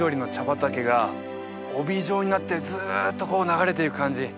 畑が帯状になってずっとこう流れている感じ